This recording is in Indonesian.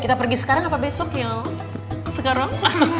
kita pergi sekarang apa besok yuk sekarang